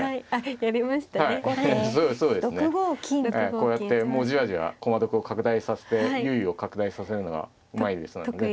こうやってじわじわ駒得を拡大させて優位を拡大させるのがうまいですのでね。